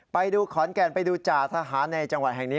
ไปดูขอนแก่นไปดูจ่าทหารในจังหวัดแห่งนี้